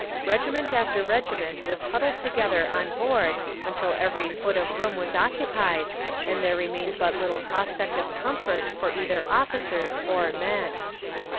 Regiment after regiment was huddled together on board until every foot of room was occupied, and there remained but little prospect of comfort for either officers or men.